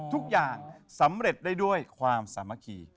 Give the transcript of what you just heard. ทุกอย่างสำเร็จได้ด้วยความสามัคคี